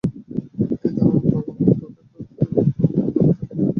এ ধরনের প্রবণতা তাঁদের কাজ করে, সততা থাকে না।